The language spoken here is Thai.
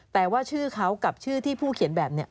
แต่ว่าชื่อเขากับชื่อที่ผู้เขียนแบบนี้